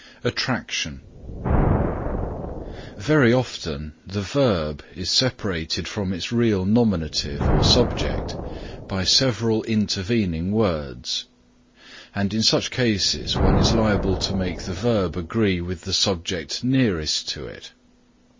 ATTRACTION Very often the verb is separated from its real nominative or subject by several intervening words and in such cases one is liable to make the verb agree with the subject nearest to it.